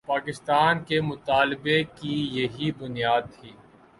پاکستان کے مطالبے کی یہی بنیاد تھی۔